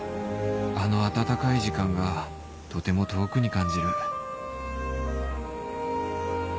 あの温かい時間がとても遠くに感じる